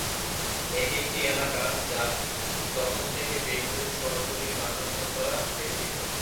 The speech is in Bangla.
এটি একটি এলাকা যা তখন থেকে ব্যয়বহুল শহরতলির বাসস্থান দ্বারা বেষ্টিত।